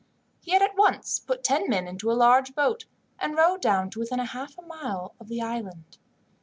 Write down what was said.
He at once put ten men into a large boat, and rowed down to within half a mile of the island.